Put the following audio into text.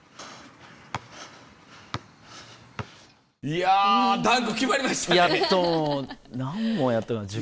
いやダンク決まりましたね。